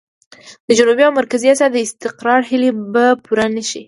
د جنوبي او مرکزي اسيا د استقرار هيلې به پوره نه شي.